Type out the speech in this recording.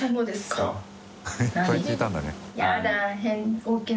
いっぱい聞いたんだね。